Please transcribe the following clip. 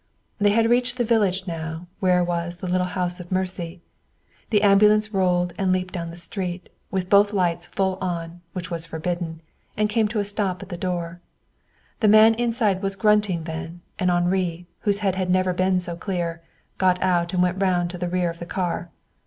They had reached the village now where was the little house of mercy. The ambulance rolled and leaped down the street, with both lights full on, which was forbidden, and came to a stop at the door. The man inside was grunting then, and Henri, whose head had never been so clear, got out and went round to the rear of the car.